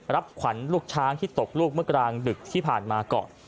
รับขวัญลูกช้างที่ตกลูกเมื่อกลางดึกที่ผ่านมาก่อน